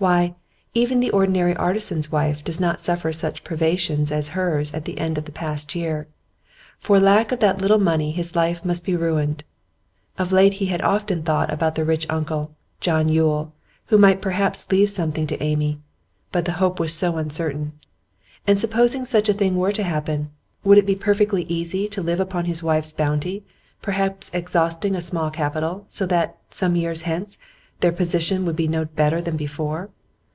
Why, even the ordinary artisan's wife does not suffer such privations as hers at the end of the past year. For lack of that little money his life must be ruined. Of late he had often thought about the rich uncle, John Yule, who might perhaps leave something to Amy; but the hope was so uncertain. And supposing such a thing were to happen; would it be perfectly easy to live upon his wife's bounty perhaps exhausting a small capital, so that, some years hence, their position would be no better than before?